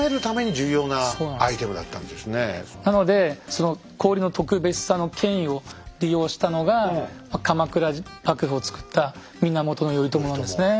氷はまあなのでその氷の特別さの権威を利用したのが鎌倉幕府をつくった源頼朝なんですね。